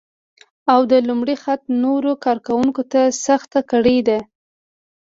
او د لومړي خط نورو کار کونکو ته سخته کړې ده